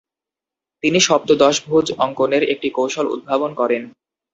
তিনি সপ্তদশভুজ অঙ্কনের একটি কৌশল উদ্ভাবন করেন।